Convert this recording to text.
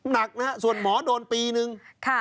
หนักนะครับส่วนหมอโดนปีหนึ่ง